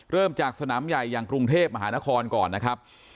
เริ่มจากสนามใหญ่อย่างกรุงเทพมหานครก่อนนะครับ